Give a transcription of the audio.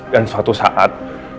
dan suatu saat